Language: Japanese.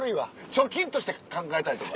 貯金として考えたりとか。